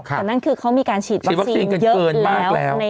แต่นั่นคือเขามีการฉีดวัคซีนเยอะอยู่แล้ว